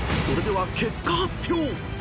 ［それでは結果発表］